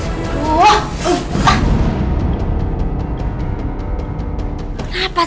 aku mau dilapas